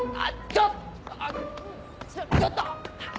ちょっと！